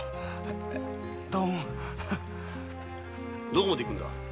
どこまで行くんだ？